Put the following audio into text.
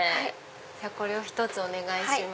じゃあこれを１つお願いします。